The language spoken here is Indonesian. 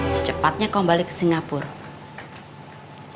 secepatnya kamu balik ke singapura